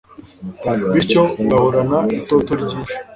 bityo ugahorana itoto ryinshi